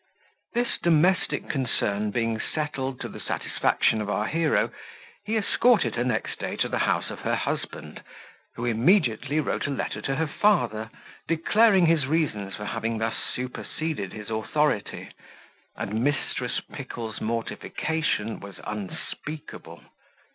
This domestic concern being settled to the satisfaction of our hero, he escorted her next day to the house of her husband, who immediately wrote a letter to her father, declaring his reasons for having thus superseded his authority; and Mrs. Pickle's mortification was unspeakable.